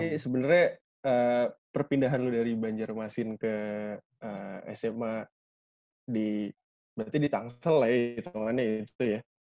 ini sebenarnya perpindahan lo dari banjarmasin ke sma di berarti di tangsel lah ya di tangannya itu ya